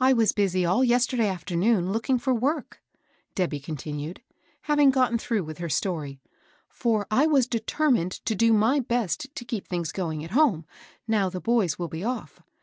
I was busy all yesterday afternoon looking for work," Debby continued, having gotten through with her story ;" for I was determined to do my best to keep things going at home, now the boys will be off.